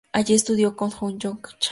Allí estudió con Hyoung-Joon Chang.